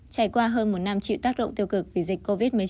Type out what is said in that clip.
trải qua hơn một năm chịu tác động tiêu cực vì dịch covid một mươi chín